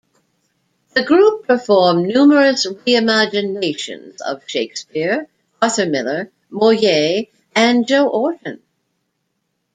The group performed numerous "re-imaginations" of Shakespeare, Arthur Miller, Moliere and Joe Orten.